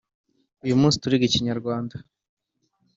uyu munsi turiga ikinyarwanda